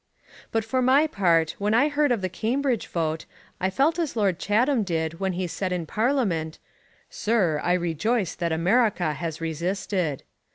But for my part when I heard of the Cambridge vote, I felt as Lord Chatham did when he said in parliament, "Sir, I rejoice that America has resisted."